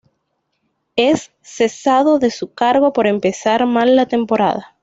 Es cesado de su cargo por empezar mal la temporada.